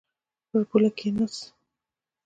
پر پوله کښېناست.